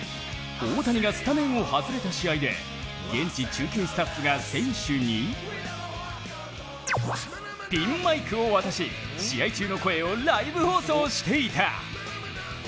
大谷がスタメンを外れた試合で現地中継スタッフが、選手にピンマイクを渡し、試合中の声をライブ放送していた。